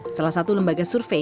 salah satu lembaga survei